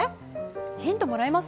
ヒントもらえます？